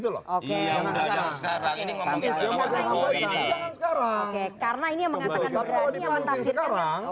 karena ini yang mengatakan berani yang menafsirkan